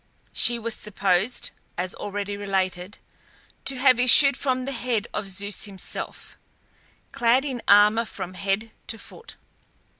She was supposed, as already related, to have issued from the head of Zeus himself, clad in armour from head to foot.